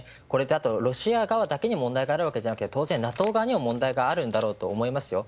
これはロシア側だけに問題があるわけじゃなくてＮＡＴＯ側にも問題があるんだと思います。